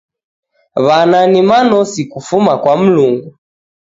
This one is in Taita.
W'ana ni manosi kufuma kwa Mlungu.